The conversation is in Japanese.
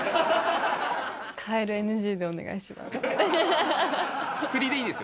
カエルＮＧでお願いします。